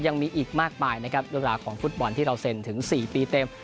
ยังมีอีกมากมายนะครับเรื่องราวของฟุตบอลที่เราเซ็นถึง๔ปีเต็ม